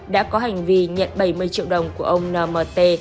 đã có hành vi nhận bảy mươi triệu đồng của ông nmt